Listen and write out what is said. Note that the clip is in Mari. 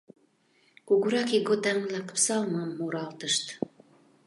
Кугурак ийготан-влак псалмым муралтышт.